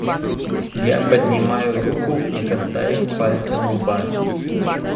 Я поднимаю руку и касаюсь пальцем лба.